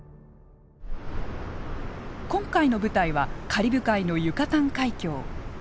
今回の舞台はカリブ海のユカタン海峡。